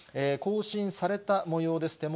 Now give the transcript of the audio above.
更新されたもようです。